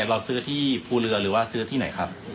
เราซื้อที่ภูเรือหรือว่าซื้อที่ไหนครับ